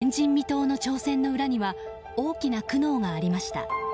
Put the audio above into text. しかし、前人未到の挑戦の裏には大きな苦悩がありました。